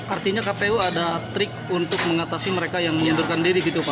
artinya kpu ada trik untuk mengatasi mereka yang mengundurkan diri gitu pak